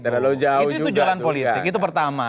itu jalan politik itu pertama